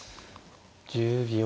１０秒。